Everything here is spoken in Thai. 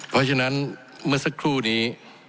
เพราะฉะนั้นเมื่อสักครู่นี้